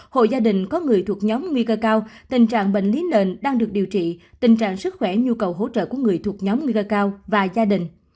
hộ gia đình có người thuộc nhóm nguy cơ cao tình trạng bệnh lý nền đang được điều trị tình trạng sức khỏe nhu cầu hỗ trợ của người thuộc nhóm nguy cơ cao và gia đình